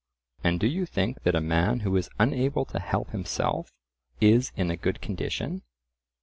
"And do you think that a man who is unable to help himself is in a good condition?"